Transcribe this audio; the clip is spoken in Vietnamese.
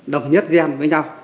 đồng nhất gen với nhau